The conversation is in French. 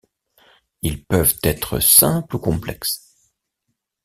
Ils peuvent être simple ou complexe.